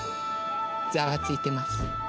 ざわついてます。